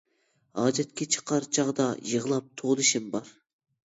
ھاجەتكە چىقار چاغدا، يىغلاپ توۋلىشىم بار.